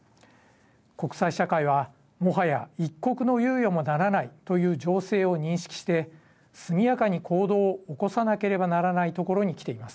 国際社会は、もはや一刻の猶予もならないという情勢を認識して速やかに行動を起こさなければならないところにきています。